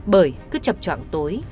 bởi cứ chập chọn tối